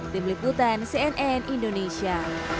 tim liputan cnn indonesia